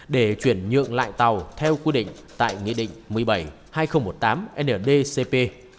để chuyển nhượng lại tàu theo quy định tại nghị định một mươi bảy hai nghìn một mươi tám ndcp